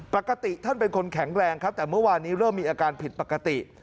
ปกติท่านเป็นคนแข็งแรงครับแต่เมื่อวานนี้เริ่มมีอาการผิดปกติ